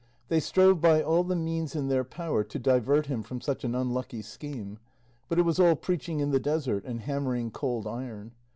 They strove by all the means in their power to divert him from such an unlucky scheme; but it was all preaching in the desert and hammering cold iron.